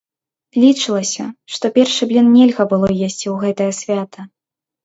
Лічылася, што першы блін нельга было есці ў гэтае свята.